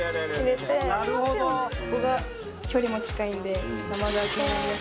ここが距離も近いんで生乾きになりますね。